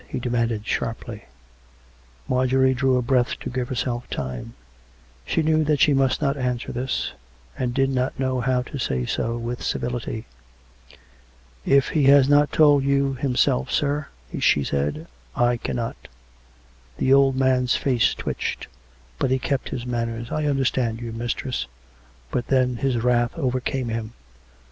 he demanded sharply. Marjorie drew a breath to give herself time; she knew COME RACK! COME ROPE! 211 that she must not answer this; and did not know how to say so with civility. " If he has not told you himself, sir/' she sraid, " I can not." The old man's face twitched; but he kept his manners. " I understand you, mistress. ..." But then his wrath overcame him.